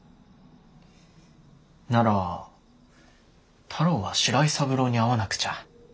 なら太郎は白井三郎に会わなくちゃ。